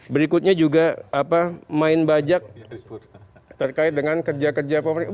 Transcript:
berikutnya juga main bajak terkait dengan kerja kerja pemerintah